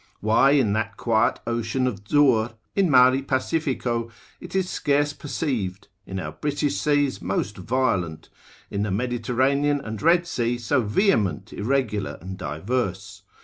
Why in that quiet ocean of Zur, in mari pacifico, it is scarce perceived, in our British seas most violent, in the Mediterranean and Red Sea so vehement, irregular, and diverse?